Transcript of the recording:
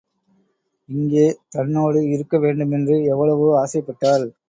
இங்கே தன்னோடு இருக்க வேண்டுமென்று எவ்வளவோ ஆசைப்பட்டாள்.